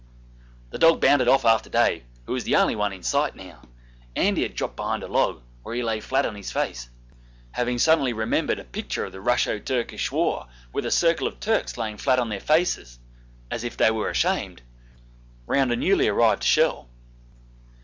The dog bounded off after Dave, who was the only one in sight now; Andy had dropped behind a log, where he lay flat on his face, having suddenly remembered a picture of the Russo Turkish war with a circle of Turks lying flat on their faces (as if they were ashamed) round a newly arrived shell.